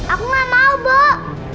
aku gak mau bok